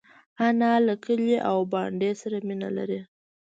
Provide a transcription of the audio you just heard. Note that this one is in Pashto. انا له کلي او بانډې سره مینه لري